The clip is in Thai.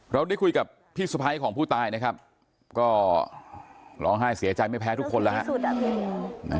เราได้คุยกับพี่สุภัยของผู้ตายนะครับก็ร้องไห้เสียใจไม่แพ้ทุกคนแล้ว